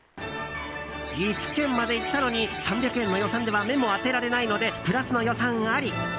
岐阜県まで行ったのに３００円の予算では目も当てられないのでプラスの予算あり。